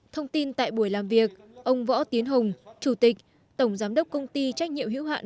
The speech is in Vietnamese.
thông tin tại buổi làm việc ông võ tiến hùng chủ tịch tổng giám đốc công ty trách nhiệm hữu hạn